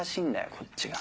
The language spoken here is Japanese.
こっちが。